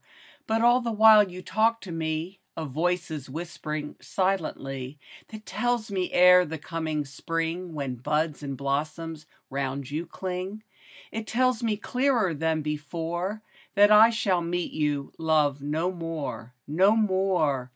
But all the while you talk to me A voice is whispering silently, That tells me, ere the coming spring, When buds and blossoms round you cUng, 77 A PREMONITION. It tells me clearer than before That I shall meet you, love, no more, No more